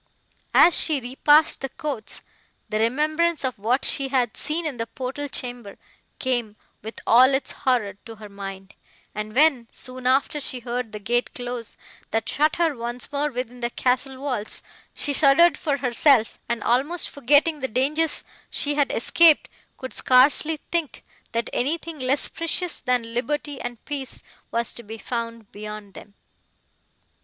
As she repassed the courts, the remembrance of what she had seen in the portal chamber came, with all its horror, to her mind; and when, soon after, she heard the gate close, that shut her once more within the castle walls, she shuddered for herself, and, almost forgetting the danger she had escaped, could scarcely think, that anything less precious than liberty and peace was to be found beyond them.